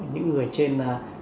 những người trên năm mươi